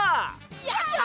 やった！